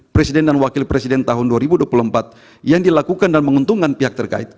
presiden dan wakil presiden tahun dua ribu dua puluh empat yang dilakukan dan menguntungkan pihak terkait